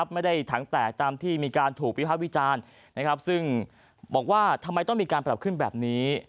ถังแตกตามที่มีการถูกวิภาควิจารณ์ซึ่งบอกว่าทำไมต้องมีการปรับขึ้นแบบนี้